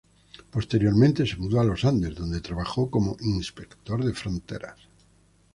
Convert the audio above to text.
Posteriormente, se mudó a Los Andes donde trabajó como inspector de fronteras.